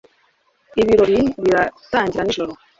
ibirori biratangira nijoro